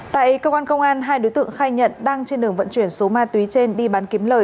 tại cơ quan công an hai đối tượng khai nhận đang trên đường vận chuyển số ma túy trên đi bán kiếm lời